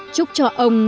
chúc cho ông